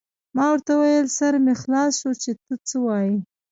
ما ورته وویل: سر مې خلاص شو، چې ته څه وایې.